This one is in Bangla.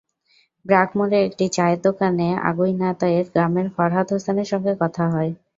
ব্র্যাক মোড়ে একটি চায়ের দোকানে আগুনাতাইর গ্রামের ফরহাদ হোসেনের সঙ্গে কথা হয়।